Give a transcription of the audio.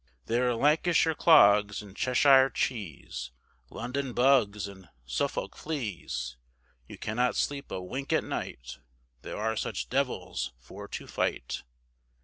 There are Lancashire clogs and Cheshire cheese, London bugs and Suffolk fleas, You cannot sleep a wink at night, They are such devils for to fight.